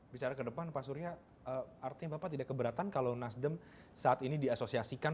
bicara ke depan pak surya artinya bapak tidak keberatan kalau nasdem saat ini diasosiasikan